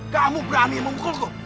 kamu berani mengukulku